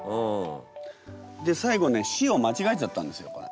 で最後ね「し」を間違えちゃったんですよこれ。